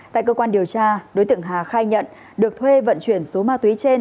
tại cơ quan điều tra đối tượng hà khai nhận được thuê vận chuyển số ma túy trên